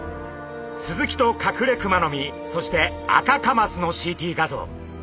スズキとカクレクマノミそしてアカカマスのＣＴ画像。